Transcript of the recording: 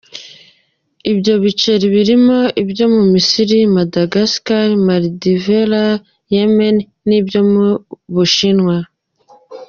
Ibyo biceri birimo ibyo mu Misiri, Madagascar, Maldives, Yemen n’ibyo mu u Bushinwa.